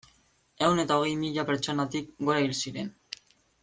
Ehun eta hogei mila pertsonatik gora hil ziren.